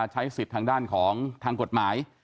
ใช้สิทธิ์ทางด้านของทางกฎหมาย